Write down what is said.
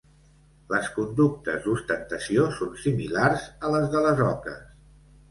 Les conductes d'ostentació són similars a les de les oques.